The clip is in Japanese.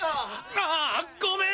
あごめん！